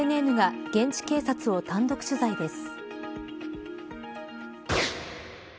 ＦＮＮが現地警察を単独取材です。